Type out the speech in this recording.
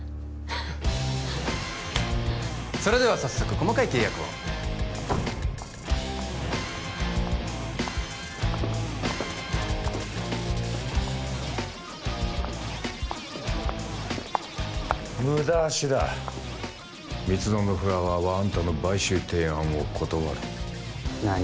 それでは早速細かい契約を無駄足だ蜜園フラワーはあんたの買収提案を断る何？